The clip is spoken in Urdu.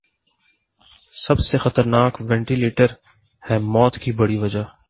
سب سے خطرناک ونٹیلیٹر ہے موت کی بڑی وجہ ۔